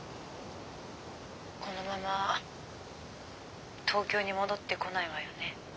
このまま東京に戻ってこないわよね。